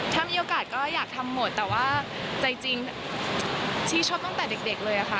ถ้ามีโอกาสก็อยากทำหมดแต่ว่าใจจริงที่ชอบตั้งแต่เด็กเลยค่ะ